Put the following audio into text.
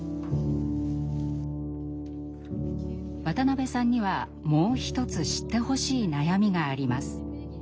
渡辺さんにはもう一つ知ってほしい悩みがあります。